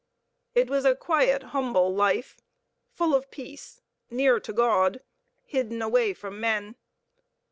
It was a quiet, humble life, full of peace, near to God, hidden away from men.